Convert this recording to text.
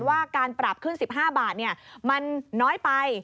ว่าการปรับขึ้น๑๕บาทมันน้อยไป